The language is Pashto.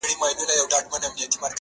• سل مي ښځي له مېړونو جلا كړي -